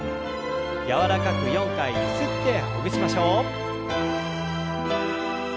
柔らかく４回ゆすってほぐしましょう。